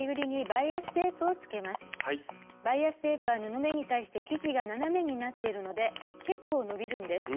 バイアステープは布目に対して生地が斜めになっているので結構伸びるんです。